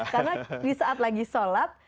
karena di saat lagi solat